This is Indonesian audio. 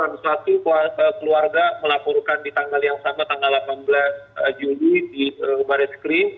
tanggal satu keluarga melaporkan di tanggal yang sama tanggal delapan belas juli di baris krim